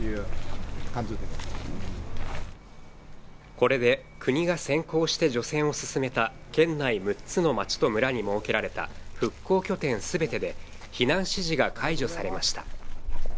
これで国が先行して除染を進めた県内６つの町と村に設けられた復興拠点全てで避難指示が解除されました。